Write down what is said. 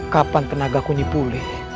kapan tenagaku ini pulih